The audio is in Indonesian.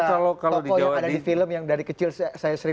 pokoknya ada di film yang dari kecil saya sering nonton